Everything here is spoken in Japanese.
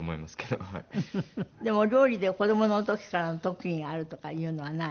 でもお料理で子どもの時からの特技があるとかいうのは何？